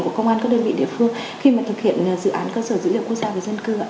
của công an các đơn vị địa phương khi mà thực hiện dự án cơ sở dữ liệu quốc gia về dân cư ạ